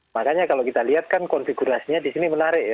makanya kalau kita lihat kan konfigurasinya di sini menarik ya